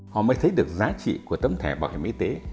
họ mới thấy được giá trị của tấm thẻ bảo hiểm y tế